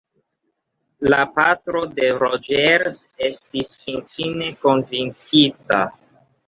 La patro de Rogers estis finfine konvinkita.